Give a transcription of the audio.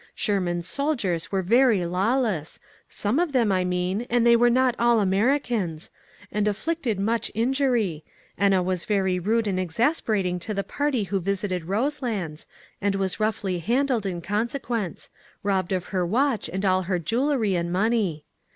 Sherman's soldiers were very lawless some of them, I mean; and they were not all Americans and inflicted much injury. Enna was very rude and exasperating to the party who visited Roselands, and was roughly handled in consequence; robbed of her watch and all her jewelry and money.